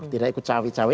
tidak ikut cawi cawi